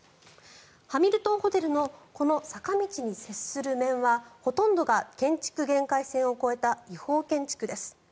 ハミルトンホテルのこの坂道に接する面はほとんどが建築限界線を越えた違法建築です。